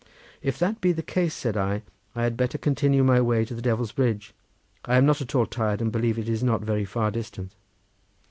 "If that be the case," said I, "I had better continue my way to the Devil's Bridge; I am not at all tired, and I believe it is not very far distant."